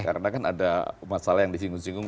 karena kan ada masalah yang disinggung singgung